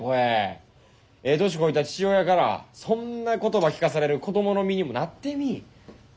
ええ年こいた父親からそんな言葉聞かされる子供の身にもなってみい。